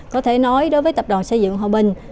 có thể nói đối với tập đoàn xây dựng hòa bình